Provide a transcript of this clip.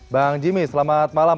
bang jimmy selamat malam